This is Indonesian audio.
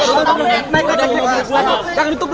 pak anggarannya sampai ke jual perhiasan pak